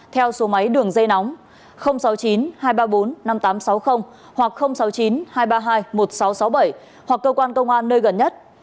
theo số máy đường dây nóng sáu mươi chín hai trăm ba mươi bốn năm nghìn tám trăm sáu mươi hoặc sáu mươi chín hai trăm ba mươi hai một nghìn sáu trăm sáu mươi bảy hoặc cơ quan công an nơi gần nhất